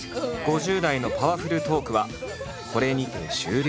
５０代のパワフルトークはこれにて終了。